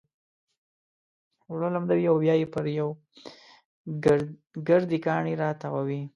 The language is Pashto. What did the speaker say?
اوړه لمدوي او بيا يې پر يو ګردي کاڼي را تاووي.